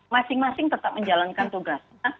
masing masing tetap menjalankan tugasnya